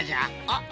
あっ